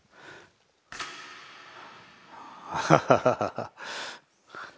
ハハハハハ。